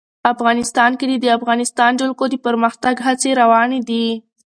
افغانستان کې د د افغانستان جلکو د پرمختګ هڅې روانې دي.